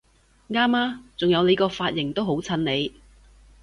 啱吖！仲有你個髮型都好襯你！